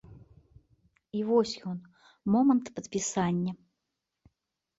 І вось ён момант падпісання.